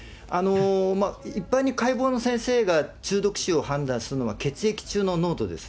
一般に解剖の先生が中毒死を判断するのは、血液中の濃度です。